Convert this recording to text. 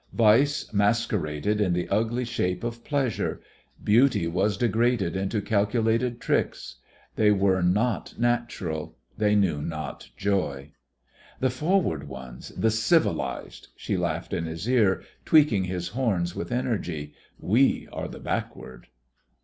Vice masqueraded in the ugly shape of pleasure; beauty was degraded into calculated tricks. They were not natural. They knew not joy. "The forward ones, the civilised!" she laughed in his ear, tweaking his horns with energy. "We are the backward!"